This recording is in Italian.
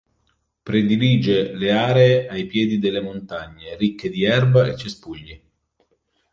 Predilige le aree ai piedi delle montagne, ricche di erba e cespugli.